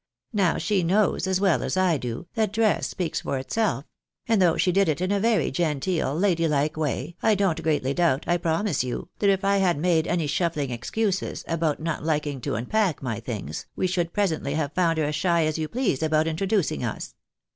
Now she knows, as well as I do, that dress speaks for itself — and though she did it in a very genteel, ladylike way, I don't greatly doubt, I promise you, that if I had made any shuffling excuses, about not hking to unpack my things, we should presently have found her as shy as you. please aboui introducing us.